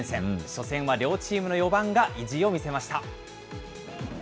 初戦は両チームの４番が意地を見せました。